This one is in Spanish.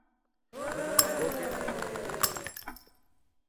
Cooke, Jr.